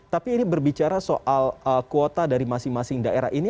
tapi ini berbicara soal kuota dari masing masing daerah ini